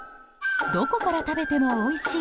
どこから食べてもおいしい